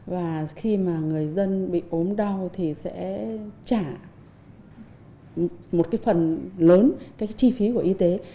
và khi mà người dân bị ốm đau thì sẽ trả một cái phần lớn cái chi phí của y tế